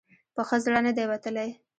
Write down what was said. په ښه زړه نه دی وتلی.